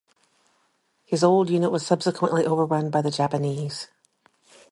His old unit was subsequently overrun by the Japanese.